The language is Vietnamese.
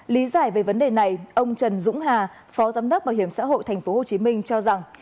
lý giải về vấn đề này ông trần dũng hà phó giám đốc bảo hiểm xã hội tp hcm cho rằng